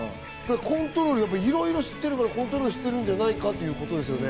いろいろ知ってるからコントロールしてるんじゃないかってことですね。